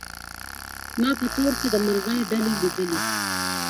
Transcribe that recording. ما په تور کي د مرغۍ ډلي لیدلې